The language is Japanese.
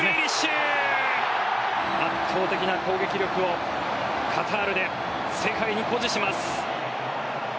圧倒的な攻撃力をカタールで世界に誇示します。